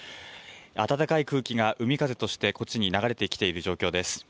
暖かい空気が海風としてこっちに流れてきている状況です。